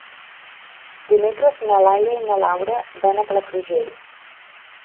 Dimecres na Laia i na Laura van a Palafrugell.